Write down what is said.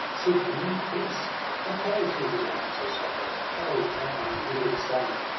Seek him in peace, and carry to his arms, O Sohrab, carry an unwounded son!